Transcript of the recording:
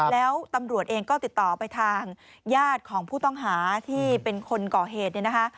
แล้วตำรวจเองก็ติดต่อไปทางญาติของผู้ต้องหาที่เป็นคนก่อเหตุเนี่ยนะคะ